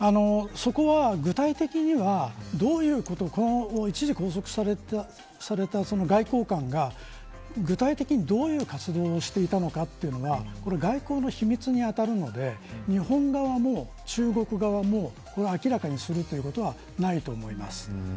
そこは、具体的にはどういう一時拘束された外交官が具体的にどういう活動をしていたのかというのは外交の秘密にあたるので日本側も中国側も明らかにするということはないと思います。